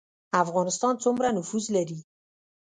افغانستان سومره نفوس لري